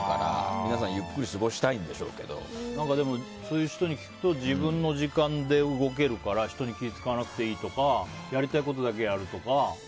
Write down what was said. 皆さん、ゆっくりそういう人に聞くと自分の時間で動けるから人に気を使わなくていいとかやりたいことだけやるとか。